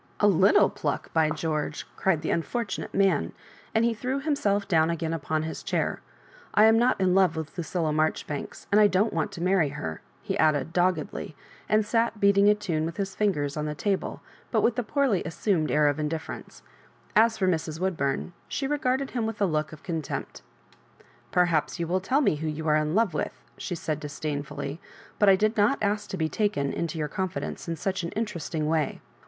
"A Utile pluck, by George!" cried the un fortunate man, and he threw himself down again upon his chair. " I am not in love with Lucilla Marjoribanks, and I don't want to marry her," he added, doggedly, and sat beating a tune with bis fingers on the table, with but a poorly as sumed air of indifferenca As for Mrs. Wood burn, she regarded him with a look of con tempt "Perhaps you will tell me who you are in love with," she said, disdainfully; "but I did not ask to be taken into your confidence in such an interesting way.